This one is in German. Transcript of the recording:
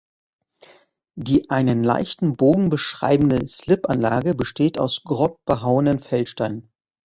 Die einen leichten Bogen beschreibende Slipanlage besteht aus grob behauenem Feldstein.